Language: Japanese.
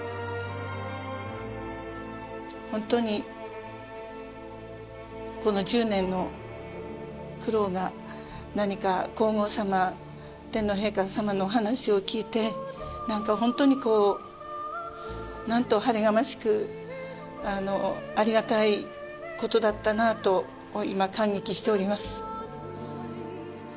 ホントにこの１０年の苦労が何か皇后さま天皇陛下さまのお話を聞いて何かホントにこう何と晴れがましくありがたいことだったなあと今感激しております。